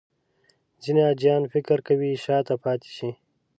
ځینې حاجیان فکر کوي شاته پاتې شي.